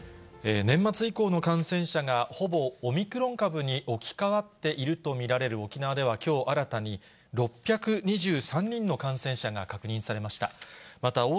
年末以降の感染者がほぼオミクロン株に置き換わっていると見られる沖縄ではきょう新たに、６２３人の感染者が確認されました。